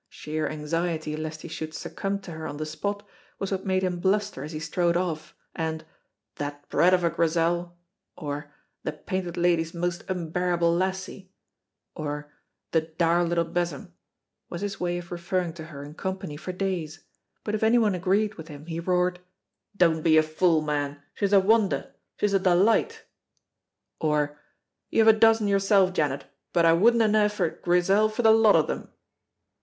Sheer anxiety lest he should succumb to her on the spot was what made him bluster as he strode off, and "That brat of a Grizel," or "The Painted Lady's most unbearable lassie," or "The dour little besom" was his way of referring to her in company for days, but if any one agreed with him he roared "Don't be a fool, man, she's a wonder, she's a delight," or "You have a dozen yourself, Janet, but I wouldna neifer Grizel for the lot of them."